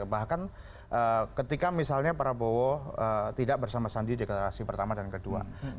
bahkan ketika misalnya prabowo tidak bersama sandi deklarasi pertama dan kedua